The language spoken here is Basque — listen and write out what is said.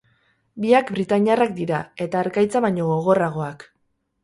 Biak britainiarrak dira eta harkaitza baino gogorragoak.